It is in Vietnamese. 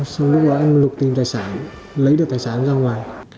xong lúc đó em lục tìm tài sản lấy được tài sản ra ngoài